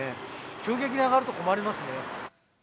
急激に上がると困りますね。